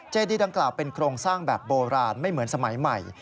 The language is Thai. เจดีดังกล่าวเป็นโครงสร้างแบบโบราณไม่เหมือนสมัยใหม่